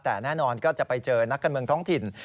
แต่แน่นอนก็จะไปเจอนักการเมืองท้องถิ่น